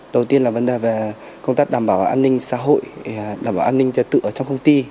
đầu tiên là vấn đề về công tác đảm bảo an ninh xã hội đảm bảo an ninh trật tự ở trong công ty